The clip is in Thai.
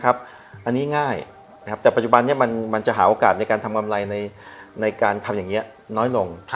อันนี้ง่ายแต่ปัจจุบันนี้มันจะหาโอกาสในการทำกำไรในการทำอย่างนี้น้อยลง